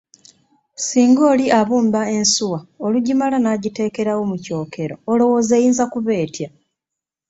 "Singa oli abumba ensuwa olugimala n’agiteekerawo mu kyokero, olowooza eyinza kuba etya?"